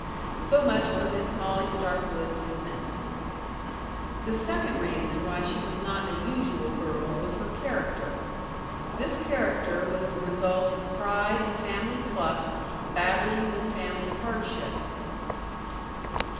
So much for Miss Molly Stark Wood's descent. The second reason why she was not a usual girl was her character. This character was the result of pride and family pluck battling with family hardship.